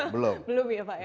belum ya pak enak